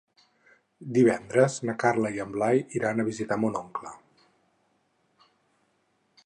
Divendres na Carla i en Blai iran a visitar mon oncle.